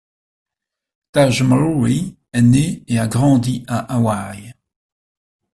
Tahj Mowry est né et a grandi à Hawaii.